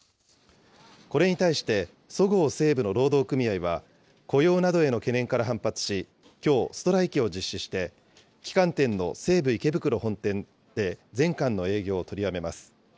これに対して、そごう・西武の労働組合は、雇用などへの懸念から反発し、きょう、ストライキを実施して、旗艦店の西武池袋本店で全館の営業を取りやめます。